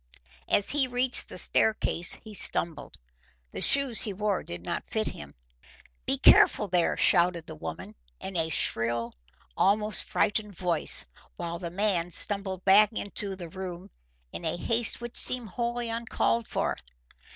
As he reached the staircase he stumbled. The shoes he wore did not fit him. "Be careful, there!" shouted the woman, in a shrill, almost frightened voice, while the man stumbled back into the room in a haste which seemed wholly uncalled for.